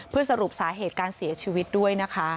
เพื่อสรุปสาเหตุการเสียชีวิตด้วยนะคะ